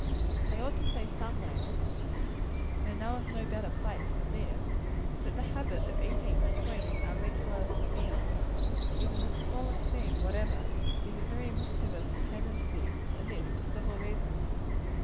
I ought to say somewhere and I know of no better place than this that the habit of eating between our regular meals, even the smallest thing whatever; is of very mischievous tendency; and this for several reasons.